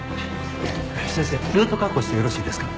先生ルート確保してよろしいですか？